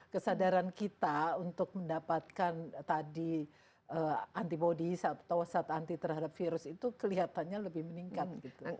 kesadaran kita untuk mendapatkan tadi antibody atau wasat anti terhadap virus itu kelihatannya lebih meningkat